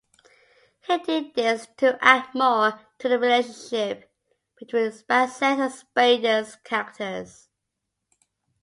He did this to add more to the relationship between Bassett's and Spader's characters.